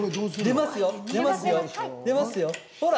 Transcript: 出ますよ、ほら！